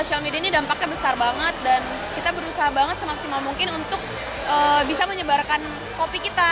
jadi ini dampaknya besar banget dan kita berusaha banget semaksimal mungkin untuk bisa menyebarkan kopi kita